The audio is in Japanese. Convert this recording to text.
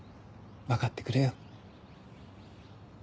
分かってくれよ。